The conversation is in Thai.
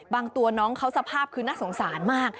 ตัวน้องเขาสภาพคือน่าสงสารมาก